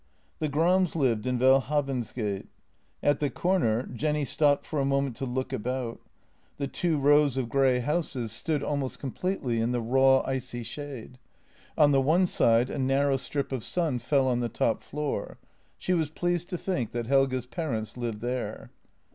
The Grams lived in Welhavensgate. At the comer Jenny stopped for a moment to look about; the two rows of grey houses 128 JENNY stood almost completely in the raw, icy shade; on the one side a narrow strip of sun fell on the top floor; she was pleased to think that Helge's parents lived there.